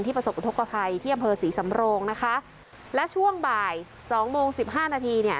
ประสบอุทธกภัยที่อำเภอศรีสำโรงนะคะและช่วงบ่ายสองโมงสิบห้านาทีเนี่ย